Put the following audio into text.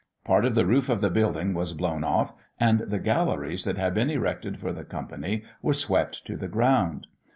Part of the roof of the building was blown off, and the galleries that had been erected for the company were swept to the ground.